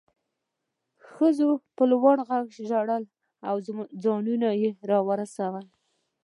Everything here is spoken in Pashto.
ښځو په لوړ غږ ژړل او ځانونه یې راورسول